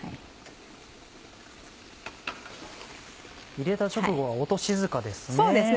入れた直後は音静かですね。